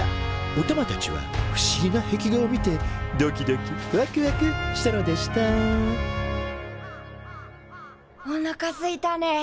おたまたちは不思議な壁画を見てドキドキワクワクしたのでしたおなかすいたね。